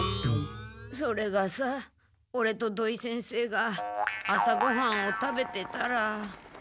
それがさオレと土井先生が朝ごはんを食べてたら。